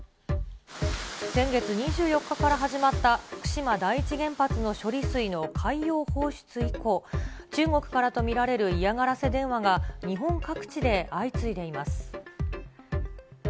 先月２４日から始まった福島第一原発の処理水の海洋放出以降、中国からと見られる嫌がらせ電話が日本各地で相次いでいます。